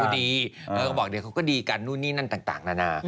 ก็รู้ดีเดี๋ยวเขาก็บอกเดี๋ยวเขาก็ดีกันนู่นนี่นั่นต่างนะน่ะ